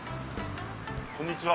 こんにちは。